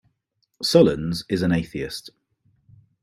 Solondz is an atheist.